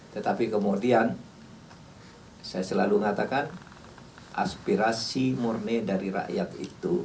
tetapi kemudian saya selalu mengatakan aspirasi murni dari rakyat itu